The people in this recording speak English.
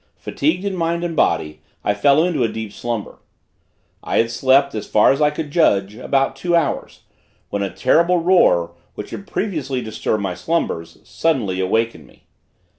Fatigued in mind and body I fell into a deep slumber. I had slept, as far as I could judge, about two hours, when a terrible roar, which had previously disturbed my slumbers, suddenly waked me.